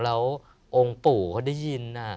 แล้วองค์ปู่เขาได้ยิน